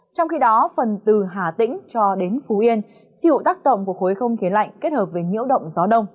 trong khi đó phần từ hà tĩnh cho đến phú yên chịu tác động của khối không khí lạnh kết hợp với nhiễu động gió đông